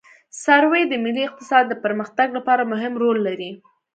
سروې د ملي اقتصاد د پرمختګ لپاره مهم رول لري